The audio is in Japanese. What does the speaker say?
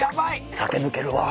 酒抜けるわ。